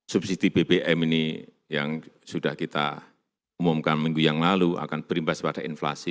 subsidi bbm ini yang sudah kita umumkan minggu yang lalu akan berimbas pada inflasi